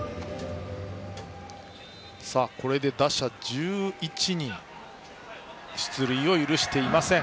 これで打者１１人出塁を許していません。